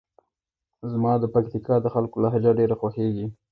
زما د پکتیکا د خلکو لهجه ډېره خوښیږي.